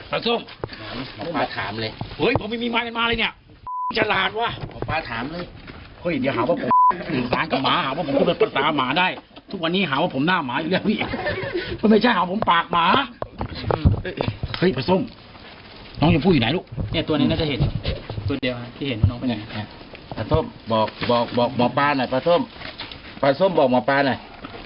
ปลาส้มบอกหมอปลาหน่อยปลาส้มบอกหมอปลาหน่อย